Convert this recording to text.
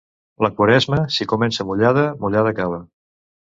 La Quaresma, si comença mullada, mullada acaba.